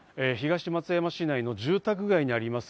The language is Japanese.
東松山市内の住宅街にあります。